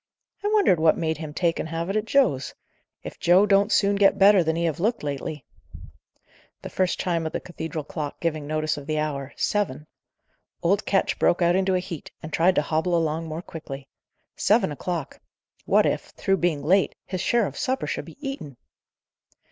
I wonder what made him take and have it at Joe's? If Joe don't soon get better than he have looked lately " The first chime of the cathedral clock giving notice of the hour, seven! Old Ketch broke out into a heat, and tried to hobble along more quickly. Seven o'clock! What if, through being late, his share of supper should be eaten!